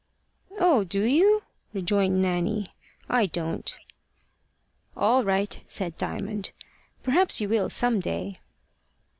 "Oh! do you?" rejoined Nanny. "I don't." "All right," said Diamond. "Perhaps you will some day."